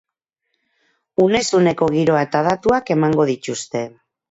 Unez uneko giroa eta datuak emango dituzte.